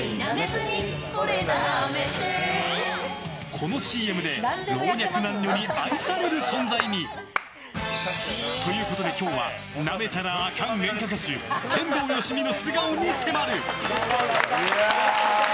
このＣＭで老若男女に愛される存在に。ということで今日はなめたらあかん演歌歌手天童よしみの素顔に迫る！